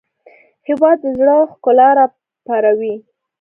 هېواد د زړه ښکلا راپاروي.